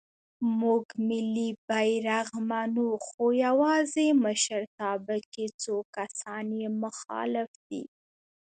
مونږ ملی بیرغ منو خو یواځې مشرتابه کې څو کسان یې مخالف دی.